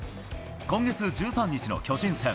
今月１３日の巨人戦。